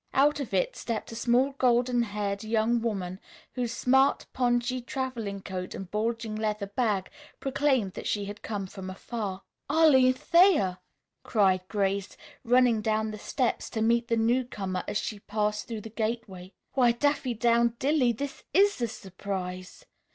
Out of it stepped a small, golden haired young woman whose smart pongee traveling coat and bulging leather bag proclaimed that she had come from afar. "Arline Thayer!" cried Grace, running down the steps to meet the newcomer as she passed through the gateway. "Why, Daffydowndilly! This is a surprise!